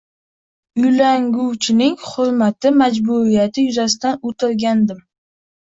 Uylanguvchining hurmati majburiyati yuzasidan o`tirgandim